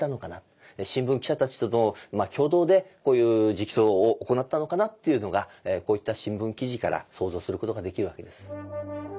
新聞記者たちとの共同でこういう直訴を行ったのかなっていうのがこういった新聞記事から想像することができるわけです。